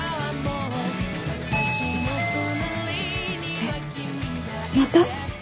・えっまた？